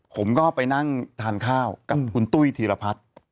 ผมก็ไปนั่งทานข้าวกับคุณตุ้ยธีรพัฒน์